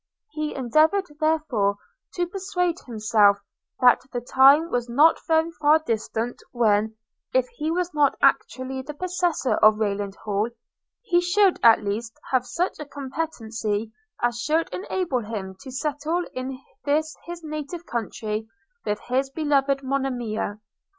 He endeavoured therefore to persuade himself, that the time was not very far distant when, if he was not actually the possessor of Rayland Hall, he should at least have such a competency as should enable him to settle in this his native country with his beloved Monimia.